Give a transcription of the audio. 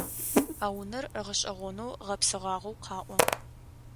А унэр гъэшӏэгъонэу гъэпсыгъагъэу къаӏо.